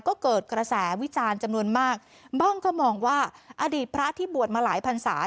ก็เกิดกระแสวิจารณ์จำนวนมากบ้างก็มองว่าอดีตพระที่บวชมาหลายพันศา